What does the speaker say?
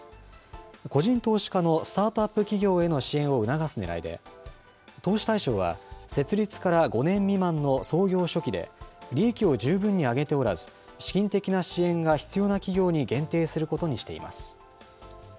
個人投資家のスタートアップ企業への支援を促すねらいで、投資対象は、設立から５年未満の創業初期で利益を十分に上げておらず、資金的な支援が必要な企業に限定することにしています。